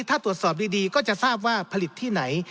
ถ้าตรวจสอบดีก็จะทราบว่าผลิตที่ไหน